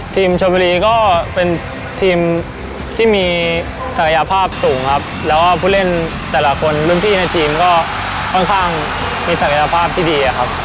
ชมชนบุรีก็เป็นทีมที่มีศักยภาพสูงครับแล้วก็ผู้เล่นแต่ละคนรุ่นพี่ในทีมก็ค่อนข้างมีศักยภาพที่ดีอะครับ